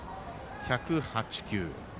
１０８球。